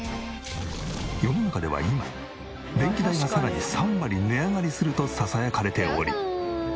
世の中では今電気代がさらに３割値上がりするとささやかれており。